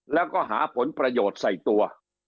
แล้วก็หาผลประโยชน์ใส่ตัว